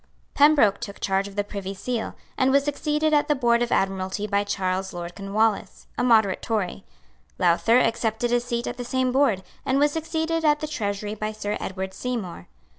Pembroke took charge of the Privy Seal, and was succeeded at the Board of Admiralty by Charles Lord Cornwallis, a moderate Tory; Lowther accepted a seat at the same board, and was succeeded at the Treasury by Sir Edward Seymour.